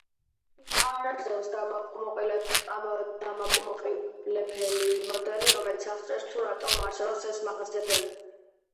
არ არსებობს დამაკმაყოფილებელი მოდელი, რომელიც აღწერს, თუ რატომ არსებობს ეს მახასიათებლები.